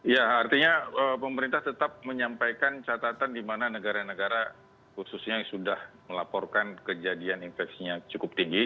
ya artinya pemerintah tetap menyampaikan catatan di mana negara negara khususnya yang sudah melaporkan kejadian infeksinya cukup tinggi